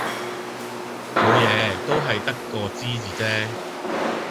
冇嘢，都係得個知字啫